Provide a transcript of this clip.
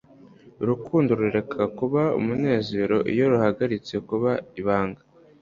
urukundo rureka kuba umunezero iyo ruhagaritse kuba ibanga